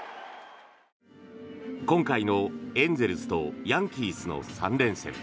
今回のエンゼルスとヤンキースの３連戦。